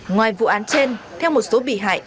ngoài vụ án trên theo một số bị hại